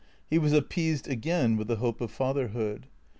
He was ap peased again with the hope of fatherhood.